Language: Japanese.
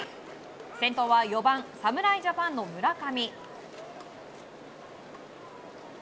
先頭は４番、侍ジャパンの村上。